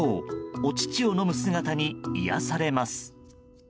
お乳を飲む姿に癒やされます。